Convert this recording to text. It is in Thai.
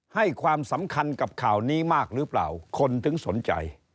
ให้ความสำคัญกับข่าวนี้มากหรือเปล่าคนถึงสนใจ